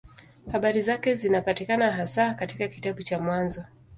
Habari zake zinapatikana hasa katika kitabu cha Mwanzo.